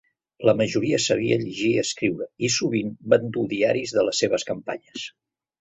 La majoria sabia llegir i escriure i sovint van dur diaris de les seves campanyes.